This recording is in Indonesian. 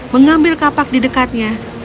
mengambil kapak di dekatnya